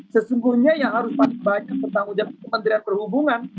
sesungguhnya yang harus banyak bertanggung jawab kementerian perhubungan